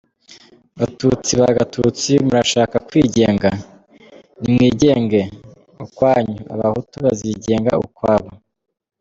Batutsi ba Gatutsi murashaka kwigenga? Nimwigenge ukwanyu Abahutu bazigenga ukwabo.